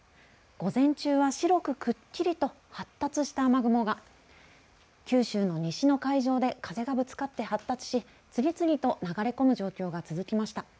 午前中は白くくっきりと発達した雨雲が九州の西の海上で風がぶつかって発達し次々と流れ込む状況が続きました。